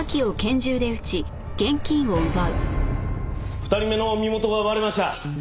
２人目の身元が割れました。